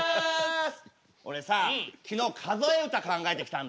俺さ昨日数え歌考えてきたんだよね。